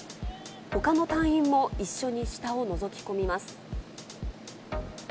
他の隊員も一緒に下を覗き込みます。